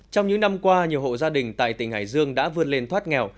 trong những năm qua nhiều hộ gia đình tại tỉnh hải dương đã vươn lên thoát nghèo